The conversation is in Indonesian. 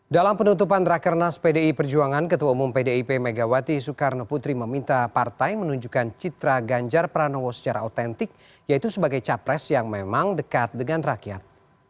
dalam penutupan rakernas pdi perjuangan ketua umum pdip megawati soekarno putri meminta partai menunjukkan citra ganjar pranowo secara otentik yaitu sebagai capres yang memang dekat dengan rakyat